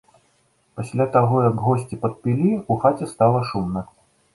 Пасля таго як госці падпілі, у хаце стала шумна.